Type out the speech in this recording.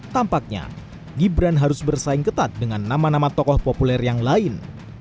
tampaknya gibran harus bersaing ketat dengan nama nama tokoh populer yang lain